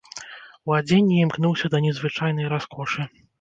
У адзенні імкнуўся да незвычайнай раскошы.